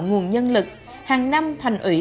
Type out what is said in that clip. nguồn nhân lực hàng năm thành ủy